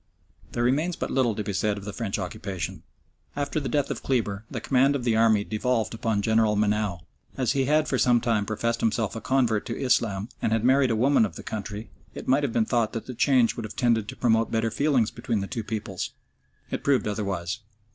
There remains but little to be said of the French occupation. After the death of Kleber the command of the army devolved upon General Menou. As he had for some time professed himself a convert to Islam, and had married a woman of the country, it might have been thought that the change would have tended to promote better feelings between the two peoples. It proved otherwise.